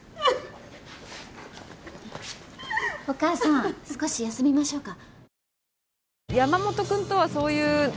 お母さん少し休みましょうか。